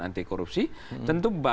anti korupsi tentu